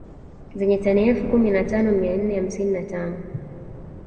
Zenye tani elfu kumi na tano mia nne hamsini na tano